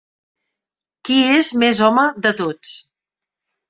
Qui és més home de tots?